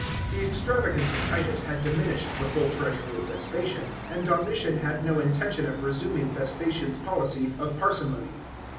The extravagance of Titus had diminished the full treasury of Vespasian, and Domitian had no intention of resuming Vespasian's policy of parsimony.